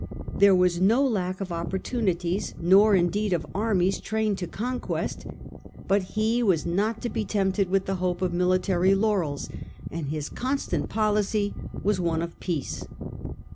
There was no lack of opportunities, nor, indeed, of armies trained to conquest ; but he was not to be tempted with the hope of military laurels, and his constant policy was one of peace.